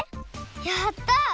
やった！